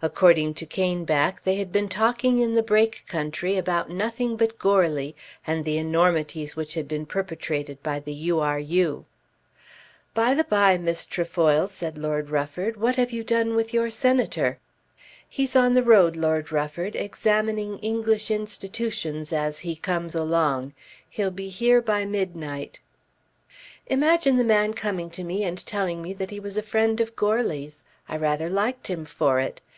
According to Caneback, they had been talking in the Brake country about nothing but Goarly and the enormities which had been perpetrated in the U. R. U. "By the bye, Miss Trefoil," said Lord Rufford, "what have you done with your Senator?" "He's on the road, Lord Rufford, examining English institutions as he comes along. He'll be here by midnight." "Imagine the man coming to me and telling me that he was a friend of Goarly's. I rather liked him for it.